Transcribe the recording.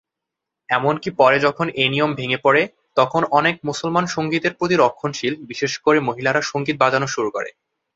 এমনকি পরে যখন এই নিয়ম ভেঙ্গে পড়ে, তখন অনেক মুসলমান সঙ্গীতের প্রতি রক্ষণশীল, বিশেষ করে মহিলারা সঙ্গীত বাজানো শুরু করে।